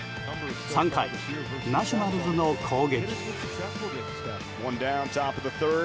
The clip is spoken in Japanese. ３回、ナショナルズの攻撃。